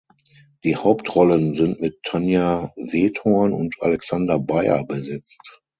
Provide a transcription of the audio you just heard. Die Hauptrollen sind mit Tanja Wedhorn und Alexander Beyer besetzt.